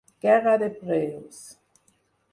Guerra de preus.